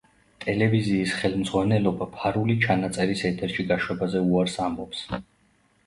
ტელევიზიის ხელმძღვანელობა ფარული ჩანაწერის ეთერში გაშვებაზე უარს ამბობს.